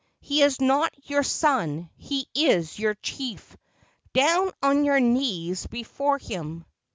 He is not your son; he is your chief! Down on your knees before him!"